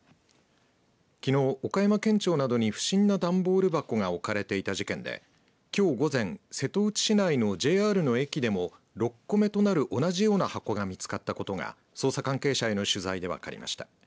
きのう岡山県庁などに不審な段ボール箱が置かれていた事件できょう午前瀬戸内市内のＪＲの駅でも６個目となる同じような箱が見つかったことが捜査関係者への取材で分かりました。